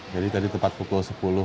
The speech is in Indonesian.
jadi tadi tepat pukul sepuluh